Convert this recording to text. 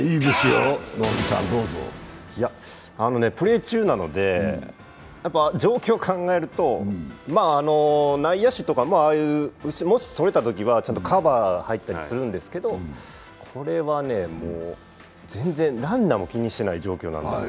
プレー中なので、状況を考えると内野手とか、もしそれたときはちゃんとカバー入ったりするんですけど、これはね、もう全然ランナーも気にしてない状況なんですよ。